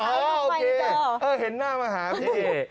ให้ดูควายในจอเออเห็นหน้ามาหาพี่